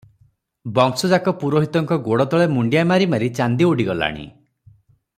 ବଂଶଯାକ ପୁରୋହିତଙ୍କ ଗୋଡ଼ତଳେ ମୁଣ୍ଡିଆ ମାରି ମାରି ଚାନ୍ଦି ଉଡିଗଲାଣି ।